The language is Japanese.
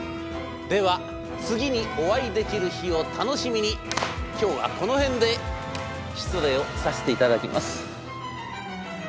では次にお会いできる日を楽しみに今日はこの辺で失礼をさせて頂きます。